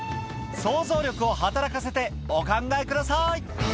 想像力を働かせてお考えください